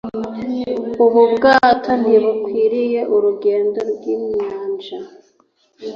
ubu bwato ntibukwiriye urugendo rwinyanja